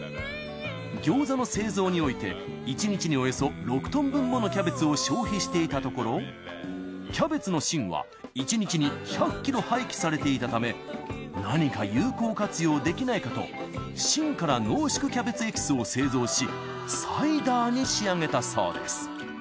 餃子の製造において１日におよそ６ｔ分ものキャベツを消費していたところキャベツの芯は１日に１００ｋｇ廃棄されていたため何か有効活用できないかと芯から濃縮キャベツエキスを製造しサイダーに仕上げたそうです。